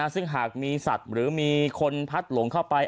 ซึ่งหากมีสัตว์หรือมีคนพัดหลงเข้าไป